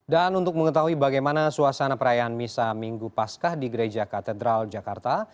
dan untuk mengetahui bagaimana suasana perayaan misa minggu paskah di gereja katedral jakarta